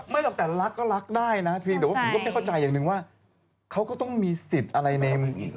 หรอกแต่รักก็รักได้นะเพียงแต่ว่าผมก็ไม่เข้าใจอย่างหนึ่งว่าเขาก็ต้องมีสิทธิ์อะไรในอีก